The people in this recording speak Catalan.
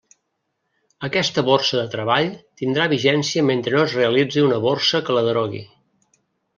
Aquesta borsa de treball tindrà vigència mentre no es realitzi una borsa que la derogui.